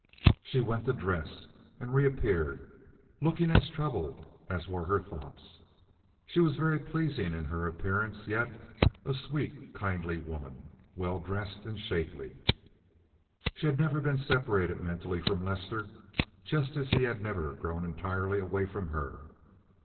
She went to dress, and reappeared, looking as troubled as were her thoughts. She was very pleasing in her appearance yet, a sweet, kindly woman, well dressed and shapely. She had never been separated mentally from Lester, just as he had never grown entirely away from her.